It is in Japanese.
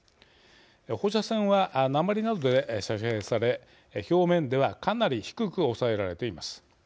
放射線は、鉛などで遮蔽され表面ではかなり低く抑えられています。